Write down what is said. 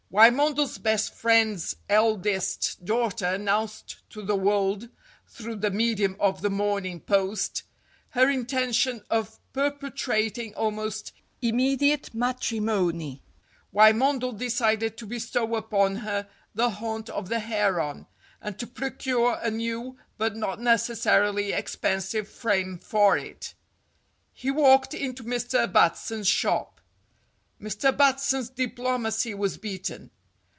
Wymondel's best friend's eldest daughter announced to the world, through the medium of the "Morning Post," her intention of perpetrating almost immedi ate matrimony. Wymondel decided to bestow upon her "The Haunt of the Heron," and to procure a new, but not necessarily expensive, frame for it. He walked into Mr. Batson's shop. Mr. Batson's diplomacy was beaten.